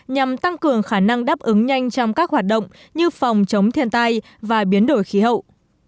nhằm tăng cường khả năng đáp ứng nhanh trong các hoạt động như phòng chống thiên tai và biến đổi khí hậu